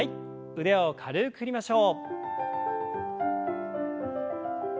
腕を軽く振りましょう。